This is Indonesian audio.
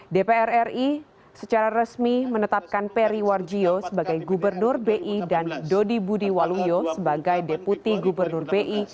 dpr ri secara resmi menetapkan peri warjio sebagai gubernur bi dan dodi budi waluyo sebagai deputi gubernur bi